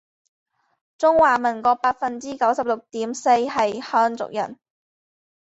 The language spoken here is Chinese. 中华民国百分之九十六点四是汉族人